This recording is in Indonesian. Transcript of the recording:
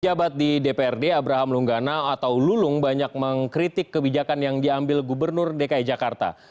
pejabat di dprd abraham lunggana atau lulung banyak mengkritik kebijakan yang diambil gubernur dki jakarta